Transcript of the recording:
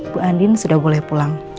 bu andin sudah boleh pulang